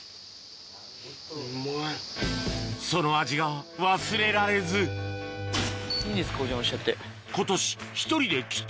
その味が忘れられずいいんですかお邪魔しちゃって。